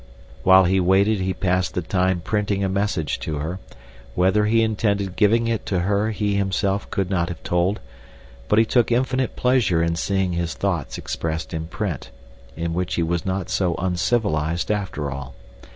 While he waited he passed the time printing a message to her; whether he intended giving it to her he himself could not have told, but he took infinite pleasure in seeing his thoughts expressed in print—in which he was not so uncivilized after all.